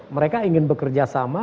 mereka ingin bekerja sama